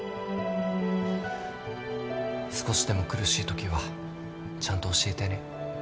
少しでも苦しいときはちゃんと教えてね。